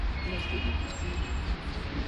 Lo sigue con cinco.